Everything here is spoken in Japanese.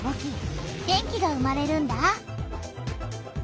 電気が生まれるんだ。